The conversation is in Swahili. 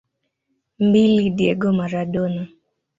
Mbili Diego Maradona